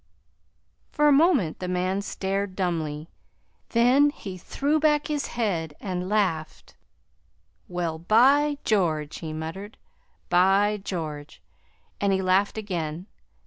For a moment the man stared dumbly. Then he threw back his head and laughed. "Well, by George!" he muttered. "By George!" And he laughed again.